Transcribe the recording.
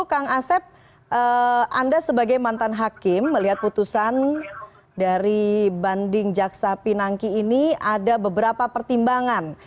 kang asep anda sebagai mantan hakim melihat putusan dari banding jaksa pinangki ini ada beberapa pertimbangan